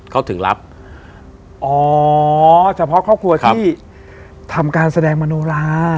เขาถึงรับอ๋อเฉพาะครอบครัวที่ทำการแสดงมโนรา